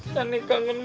sani kangen mami